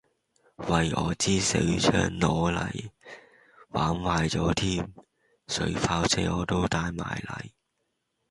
喂我支水槍攞嚟，玩壞咗添，水炮車我都帶埋嚟